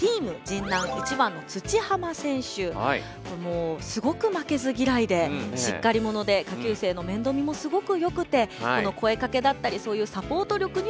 次はもうすごく負けずぎらいでしっかり者で下級生のめんどうみもすごくよくてこの声かけだったりそういうサポート力にも注目です。